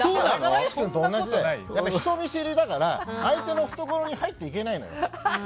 人見知りだから相手の懐に入っていけないのよ。